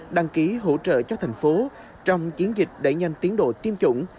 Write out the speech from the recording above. đăng ký hỗ trợ cho thành phố trong chiến dịch đẩy nhanh tiến độ tiêm chủng